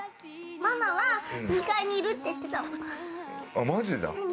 ママは２階にいるって言ってたもんマジでだ？